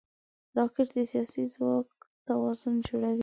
راکټ د سیاسي ځواک توازن جوړوي